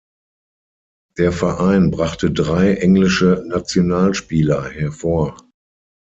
Der Verein brachte drei englische Nationalspieler hervor.